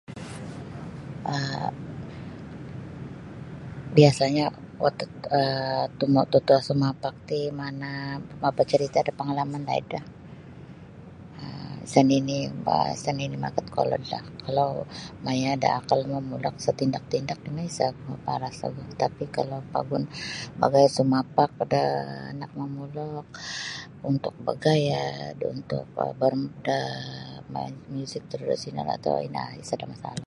um biasanyo [unintelligible] um tu mututo sumapak ti mana' mapacarita' da pangalaman laidlah um sa' nini bah sa' nini' magat kolodlah kalau maya' da akal momulok satindak-tindak ino isa' maparas ogu tapi kalau pogun bogoi sumapak da anak momulok untuk bagayad untuk [unintelligible] da muzik tradisional atau ino sada' masalah